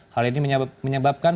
hal ini menyebabkan